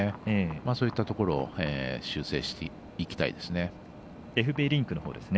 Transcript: そういったところを修正していきたいですね。